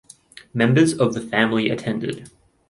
Members of the family attended.